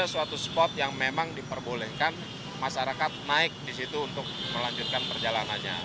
ada suatu spot yang memang diperbolehkan masyarakat naik di situ untuk melanjutkan perjalanannya